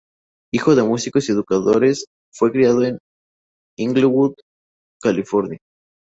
Hijo de músicos y educadores, fue criado en Inglewood, California.